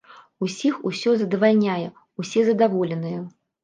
Усіх усё задавальняе, усе задаволеныя.